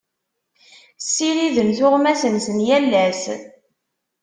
Ssiriden tuɣmas-nsen yal ass.